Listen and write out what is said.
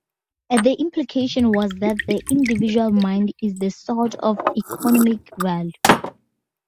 The implication was that the individual mind is the source of economic value.